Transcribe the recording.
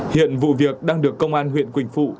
hiện vụ việc đang được công an huyện quỳnh phụ